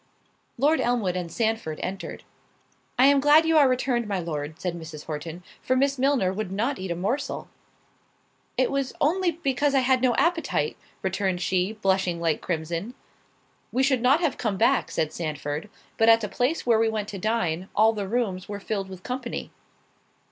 Lord Elmwood and Sandford entered. "I am glad you are returned, my Lord," said Mrs. Horton, "for Miss Milner would not eat a morsel." "It was only because I had no appetite," returned she, blushing like crimson. "We should not have come back," said Sandford, "but at the place where we went to dine, all the rooms were filled with company."